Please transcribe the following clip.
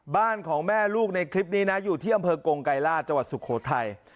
บ้านของแม่ลูกในคลิปนี้นะอยู่ที่อำเภอกงไกรราชจังหวัดสุโขทัย